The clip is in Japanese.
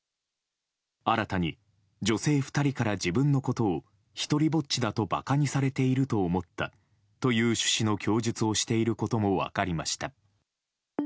新たに、女性２人から自分のことを独りぼっちだと馬鹿にされていると思ったという趣旨の供述をしていることも分かりました。